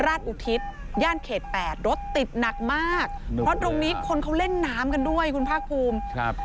อุทิศย่านเขตแปดรถติดหนักมากเพราะตรงนี้คนเขาเล่นน้ำกันด้วยคุณภาคภูมิครับ